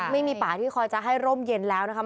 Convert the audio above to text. ไม่มีป่าที่คอยจะให้ร่มเย็นแล้วนะครับ